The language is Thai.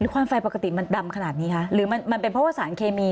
ควันไฟปกติมันดำขนาดนี้คะหรือมันมันเป็นเพราะว่าสารเคมี